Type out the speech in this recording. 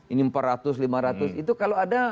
ini empat ratus lima ratus itu kalau ada